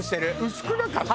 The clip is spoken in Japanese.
薄くなかった？